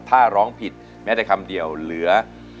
ถ้าร้องผิดแม้แต่คำเดียวเหลือ